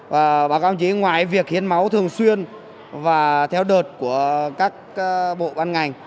và báo cáo chí ngoài việc hiến máu thường xuyên và theo đợt của các bộ ban ngành